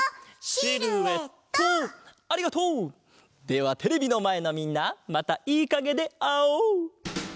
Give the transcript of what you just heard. ではテレビのまえのみんなまたいいかげであおう！